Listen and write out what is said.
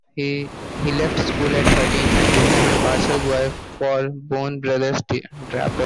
He left school at thirteen and became a parcel boy for Boan Brothers drapers.